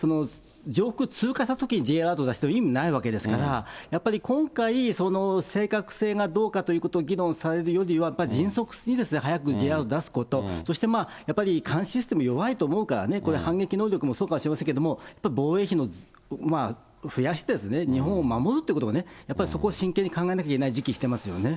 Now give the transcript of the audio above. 上空通過したときにＪアラート出しても意味がないわけですから、やっぱり今回、その正確性がどうかということを議論されるよりは、やっぱり迅速に早くＪアラート出すこと、そして監視システム弱いと思うからね、これ、反撃能力もそうかもしれませんけれども、防衛費を増やして日本を守るということがね、やっぱりそこを真剣に考えなきゃいけない時期に来てますよね。